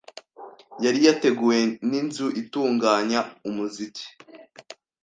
yari yateguwe n’inzu itunganya umuziki